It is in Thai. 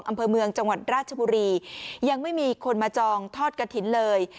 อำเภอเมืองจังหวัดราชบุรียังไม่มีคนมาจองทอดกระถิ่นเลย